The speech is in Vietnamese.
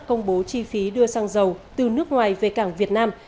chi phí đưa sang giàu từ nước ngoài về cảng việt nam